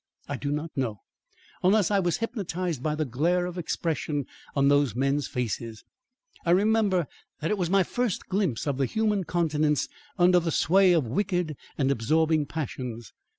I do not know, unless I was hypnotised by the glare of expression on those men's faces. I remember that it was my first glimpse of the human countenance under the sway of wicked and absorbing passions.